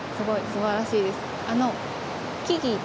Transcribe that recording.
すばらしいです。